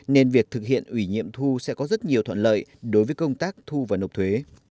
nên việc thực hiện ủy nhiệm thu sẽ có rất nhiều thuận lợi đối với công tác thu và nộp thuế